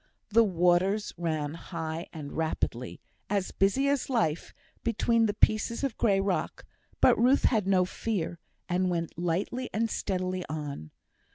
The waters ran high and rapidly, as busy as life, between the pieces of grey rock; but Ruth had no fear, and went lightly and steadily on.